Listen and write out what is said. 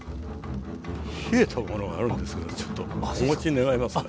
冷えたものがあるんですけどちょっとお持ち願えますかね？